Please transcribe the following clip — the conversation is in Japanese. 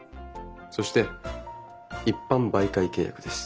そして「一般媒介契約」です。